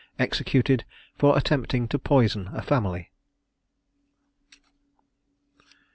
EXECUTED FOR ATTEMPTING TO POISON A FAMILY.